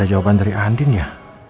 ya ya bantuin rena ya